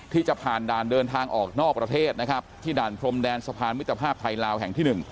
ที่จะผ่านด่านเดินทางออกนอกประเทศนะครับที่ด่านพรมแดนสะพานมิตรภาพไทยลาวแห่งที่๑